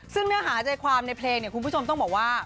ซึ่งเนื้อหาใจความในเพลงเนี่ยคุณผู้ชมต้องบอกว่า